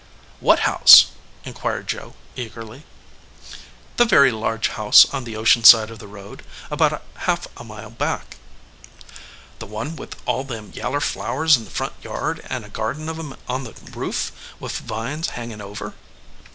"What house?" inquired Joe, eagerly. 132 THE OUTSIDE OF THE HOUSE "The very large house on the ocean side of the road, about half a mile back." "The one with all them yaller flowers in the front yard, and a garden of em on the roof, with vines hangin over?"